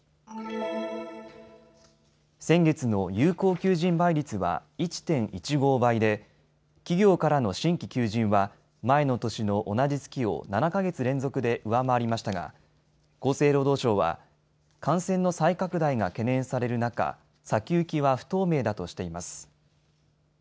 先月の有効求人倍率は１．１５倍で企業からの新規求人は前の年の同じ月を７か月連続で上回りましたが厚生労働省は感染の再拡大が懸念される中、先行きは不透明だとしています。